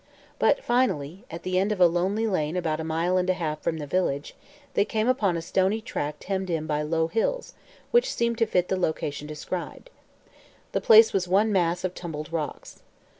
But finally, at the end of a lonely lane about a mile and a half from the village, they came upon a stony tract hemmed in by low hills, which seemed to fit the location described. The place was one mass of tumbled rocks.